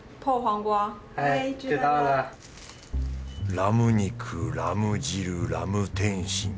ラム肉ラム汁ラム点心。